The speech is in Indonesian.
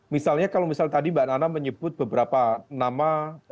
misalnya kalau misalnya tadi mbak nana menyebut beberapa nama